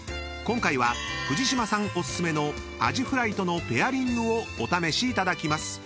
今回は藤島さんお薦めのアジフライとのペアリングをお試しいただきます］